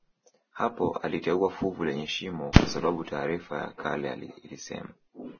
Hapo aliteua fuvu lenye shimo kwa sababu taarifa ya kale ilisema